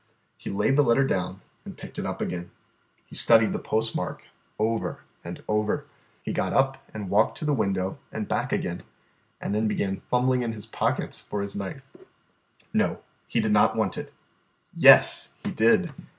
He laid the letter down and picked it up again. He studied the postmark over and over. He got up and walked to the window and back again, and then began fumbling in his pockets for his knife. No, he did not want it; yes, he did.